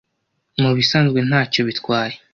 mubisanzwe ntacyo bitwaye